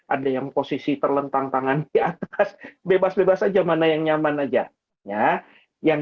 ada yang posisi terlentang tangan di atas bebas bebas aja mana yang nyaman aja ya yang